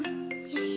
よし！